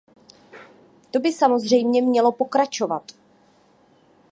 To by samozřejmě mělo pokračovat.